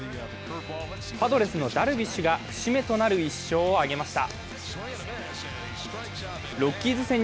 パドレスのダルビッシュが節目となる１勝を挙げました。